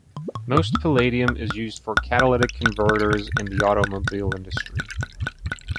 Most palladium is used for catalytic converters in the automobile industry.